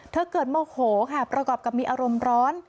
เธอเกิดโมโขประกอบมีอารมณ์ร้อน